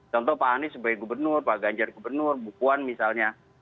contoh pak anies sebagai gubernur pak ganjar gubernur bukuan misalnya